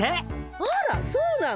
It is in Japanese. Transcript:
あらそうなの？